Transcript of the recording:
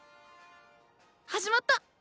始まった！